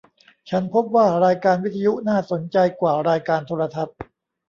ฉันพบว่ารายการวิทยุน่าสนใจว่ารายการโทรทัศน์